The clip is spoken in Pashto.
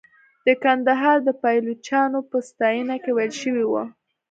د کندهار د پایلوچانو په ستاینه کې ویل شوې وه.